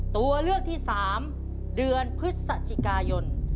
ตัวเลือกที่๓เดือนพฤศจิกายน